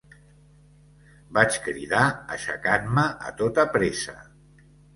Vaig cridar, aixecant-me a tota pressa.